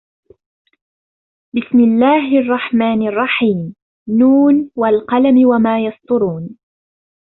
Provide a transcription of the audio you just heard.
بِسْمِ اللَّهِ الرَّحْمَنِ الرَّحِيمِ ن وَالْقَلَمِ وَمَا يَسْطُرُونَ